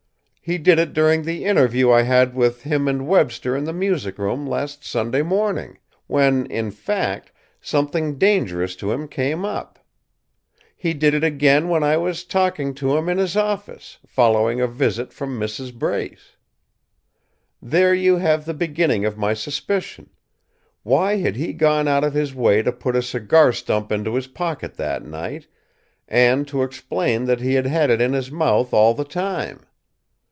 He did it during the interview I had with him and Webster in the music room last Sunday morning when, in fact, something dangerous to him came up. He did it again when I was talking to him in his office, following a visit from Mrs. Brace. "There you have the beginning of my suspicion. Why had he gone out of his way to put a cigar stump into his pocket that night, and to explain that he had had it in his mouth all the time?